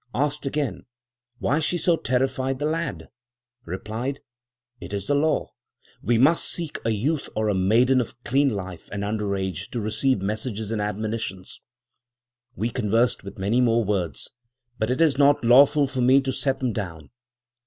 Asked again, why she so terrified the lad? Replied: 'It is the law; we must seek a youth or a maiden of clean life, and under age, to receive messages and admonitions.' We conversed with many more words, but it is not lawful for me to set them down.